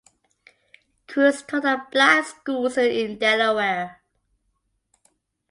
Kruse taught at Black schools in Delaware.